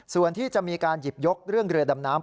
ส่วนที่จะมีการหยิบยกเรื่องเรือดำน้ำ